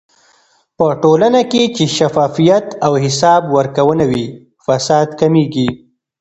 په ټولنه کې چې شفافيت او حساب ورکونه وي، فساد کمېږي.